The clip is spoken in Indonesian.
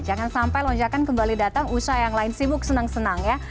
jangan sampai lonjakan kembali datang usaha yang lain sibuk senang senang ya